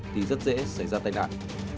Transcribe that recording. thì rất dễ xảy ra tai nạn